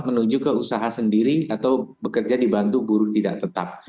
menuju ke usaha sendiri atau bekerja dibantu buruh tidak tetap